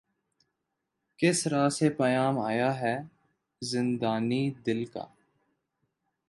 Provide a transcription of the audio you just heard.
کس رہ سے پیام آیا ہے زندانئ دل کا